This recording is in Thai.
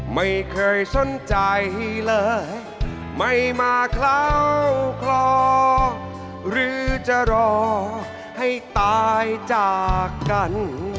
ไม่เคยสนใจเลยไม่มาคลาวคลอหรือจะรอให้ตายจากกัน